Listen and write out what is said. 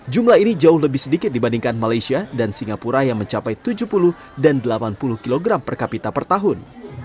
jumlah ini jauh lebih sedikit dibandingkan malaysia dan singapura yang mencapai tujuh puluh dan delapan puluh kg per kapita per tahun